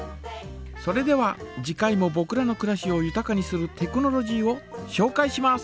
それでは次回もぼくらのくらしをゆたかにするテクノロジーをしょうかいします。